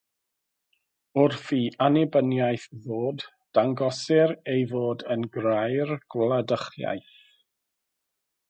Wrth i annibyniaeth ddod, dangosir ei fod yn grair gwladychiaeth.